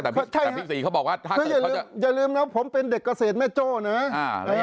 แต่อย่าลืมหน่องผมเป็นเด็กเกษตรแม่โจเนอะ